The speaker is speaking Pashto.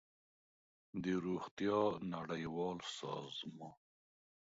د روغتیا نړیوال سازمان